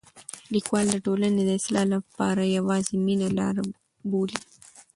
لیکوال د ټولنې د اصلاح لپاره یوازې مینه لاره بولي.